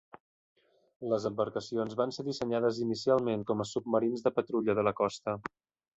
Les embarcacions van ser dissenyades inicialment com a submarins de patrulla de la costa.